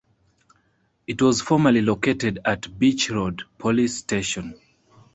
It was formerly located at Beach Road Police Station.